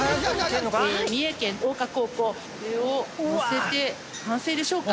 三重県相可高校これをのせて完成でしょうか？